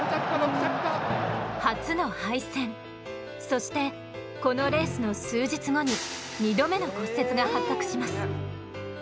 そしてこのレースの数日後に２度目の骨折が発覚します。